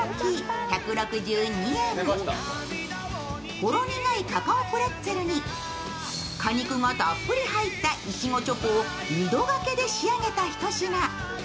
ほろ苦いカカオプレッツェルに果肉がたっぷり入ったいちごチョコを２度がけで仕上げたひと品。